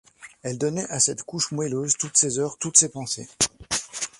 Elle donnait à cette couche moelleuse toutes ses heures, toutes ses pensées.